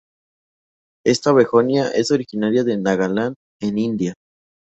Esta "begonia" es originaria de Nagaland en India.